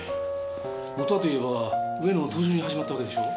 元はといえば上野の投書に始まったわけでしょ。